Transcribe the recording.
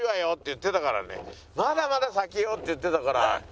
言ってたからね「まだまだ先よ」って言ってたから。